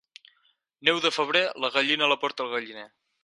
Neu de febrer, la gallina la porta al galliner.